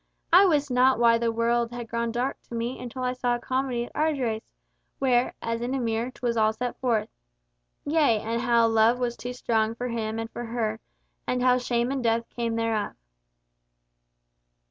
I wist not why the world had grown dark to me till I saw a comedy at Ardres, where, as in a mirror, 'twas all set forth—yea, and how love was too strong for him and for her, and how shame and death came thereof."